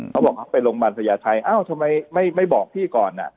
เขาบอกเขาไปโรงพยาบาลพญาชัยเอ้าทำไมไม่บอกพี่ก่อน